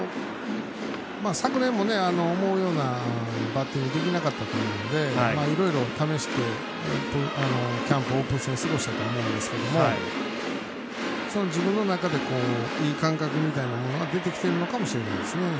昨年も思うようなバッティングができなかったというのでいろいろ試してキャンプ、オープン戦過ごしたと思うんですけども自分の中でいい感覚みたいなものが出てきてるのかもしれないですね。